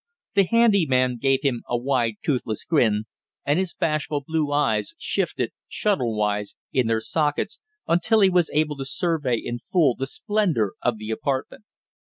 The handy man gave him a wide toothless grin, and his bashful blue eyes shifted, shuttle wise, in their sockets until he was able to survey in full the splendor of the apartment.